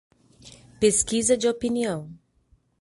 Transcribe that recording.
Pesquisa de opinião